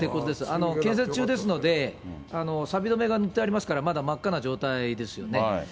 建設中ですので、さび止めが塗ってありますから、まだ真っ赤な状態ですよね。